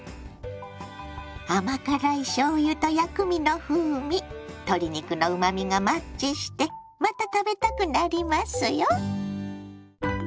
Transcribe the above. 甘辛いしょうゆと薬味の風味鶏肉のうまみがマッチしてまた食べたくなりますよ。